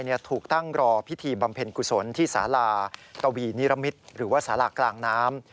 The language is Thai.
ถูกตั้งรอพิธีบำเพ็ญกุศลที่สาราตวีนิรมิตรหรือว่าสารากลางน้ำ